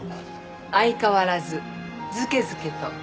相変わらずずけずけと。